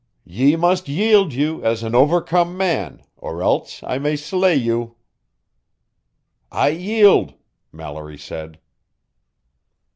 "Ye must yield you as an overcome man, or else I may slay you." "I yield," Mallory said.